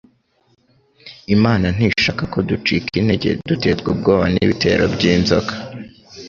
Imana ntishaka ko dueika intege duterwa ubwoba n'ibitero by'inzoka.